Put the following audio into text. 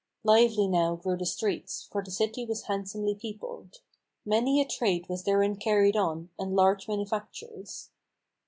Lively now grew the streets, for the city was handsomely peopled. Many a trade was therein carried on, and large manufactures.